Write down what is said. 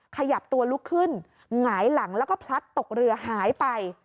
ขยับตัวลุกขึ้นหงายหลังแล้วก็พลัดตกเรือหายไป